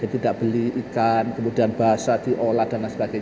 jadi tidak beli ikan kemudian basah diolah dsb